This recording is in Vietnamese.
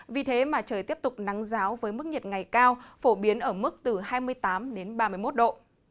vì thế mà trời tiếp tục nắng giáo với mức nhiệt ngày cao phổ biến ở mức từ hai mươi tám đến ba mươi một độ